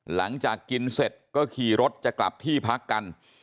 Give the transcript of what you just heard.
หลังจากกินเสร็จก็ขี่รถจะกลับที่พักกัน